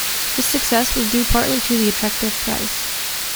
This success was due partly to the attractive price.